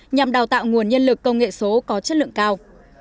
nhằm đào tạo nguồn nhân lực công nghệ số có chất lượng cao